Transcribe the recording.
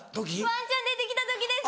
ワンちゃん出てきた時です！